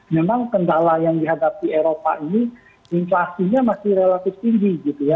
memang kendala yang dihadapi eropa ini inflasinya masih relatif tinggi gitu ya